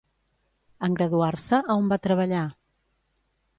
En graduar-se, a on va treballar?